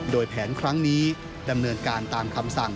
โดยแผนครั้งนี้ดำเนินการตามคำสั่ง